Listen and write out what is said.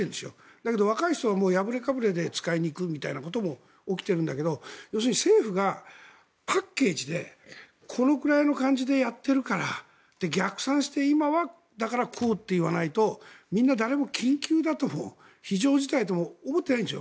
だけど、若い人は破れかぶれで使いに行くということも起きてるんだけど政府がパッケージでこのくらいの感じでやっているから逆算して今はだからこうと言わないとみんな誰も緊急だとも非常事態だとも思っていないんですよ。